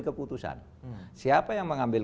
keputusan siapa yang mengambil